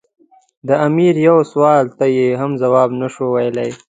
د امیر یوه سوال ته یې هم ځواب نه شو ویلای.